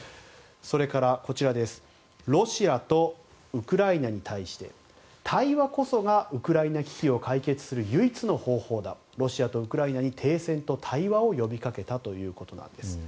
それからロシアとウクライナに対して対話こそがウクライナ危機を解決する唯一の方法だとロシアとウクライナに停戦と対話を呼び掛けたということです。